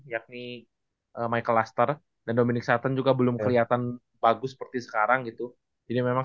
yakni michalaster dan dominic settent juga belum kelihatan bagus seperti sekarang gitu jadi memang